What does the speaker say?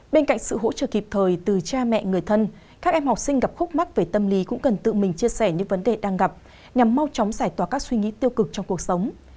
bên cạnh sự hỗ trợ kịp thời từ cha mẹ người thân các em học sinh gặp khúc mắt về tâm lý cũng cần tự mình chia sẻ những vấn đề đang gặp nhằm mau chóng giải tỏa các suy nghĩ tiêu cực trong cuộc sống